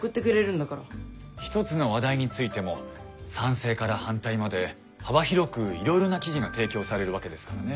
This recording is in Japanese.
一つの話題についても賛成から反対まで幅広くいろいろな記事が提供されるわけですからね。